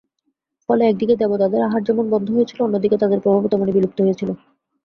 ফলে একদিকে দেবতাদের আহার যেমন বন্ধ হয়েছিল, অন্যদিকে তাঁদের প্রভাবও তেমনি বিলুপ্ত হয়েছিল।